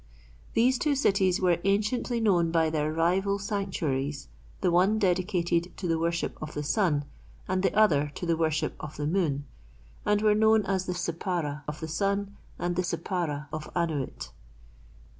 These two cities were anciently known by their rival sanctuaries, the one dedicated to the worship of the Sun, and the other to the worship of the Moon, and were known as the Sippara of the Sun and the Sippara of Annuit.